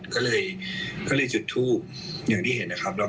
ก็เลยจุดทูบอย่างที่เห็นครับ